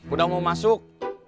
udah mau masuk